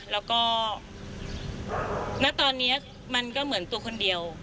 แล้วก็ณตอนนี้มันก็เหมือนตัวคนเดียว